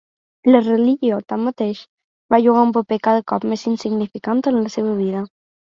La religió, tanmateix, va jugar un paper cada cop més insignificant en la seva vida.